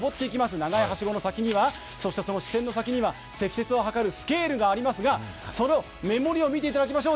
長いはしごの先にはその視線の先には積雪をはかるスケールがありますが、その目盛りを見ていただきましょう。